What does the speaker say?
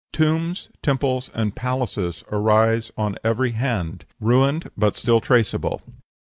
Tombs, temples, and palaces arise on every hand, ruined but still traceable.